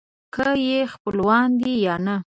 که یې خپلوان دي یا نه.